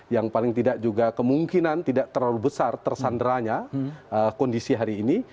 yang paling tidak juga kemungkinan tidak terlalu besar tersanderanya kondisi hari ini